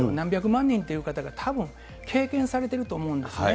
万人という方がたぶん経験されてると思うんですね。